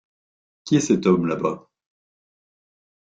Qui est cet homme, là-bas ?